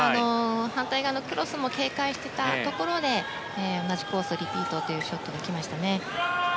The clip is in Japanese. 反対側のクロスも警戒していたところで同じコース、リピートというショットが来ましたね。